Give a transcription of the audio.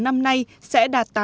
năm nay sẽ đạt